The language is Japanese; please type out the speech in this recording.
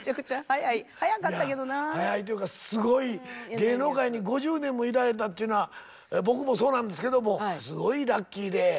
芸能界に５０年もいられたっていうのは僕もそうなんですけどもすごいラッキーで。